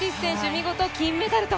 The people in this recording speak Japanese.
見事金メダルと。